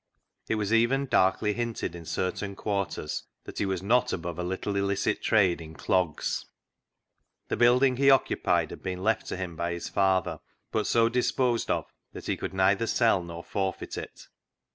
It was even darkly hinted in certain quarters that he was not above a little illicit trade in clogs. The building he occupied had been left to him by his father, but so disposed of that he could neither sell nor forfeit it.